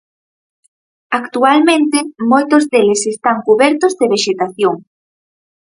Actualmente moitos deles están cubertos de vexetación.